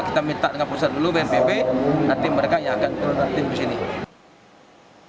kita minta dengan pusat dulu bnbf nanti mereka yang akan terhubungkan tim ini